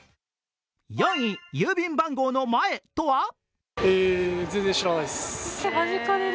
４位、「郵便番号の前」とは？